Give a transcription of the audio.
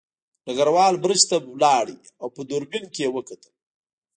ډګروال برج ته لاړ او په دوربین کې یې وکتل